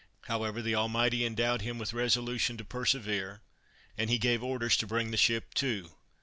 However, the Almighty endowed him with resolution to persevere, and he gave orders to bring the ship to.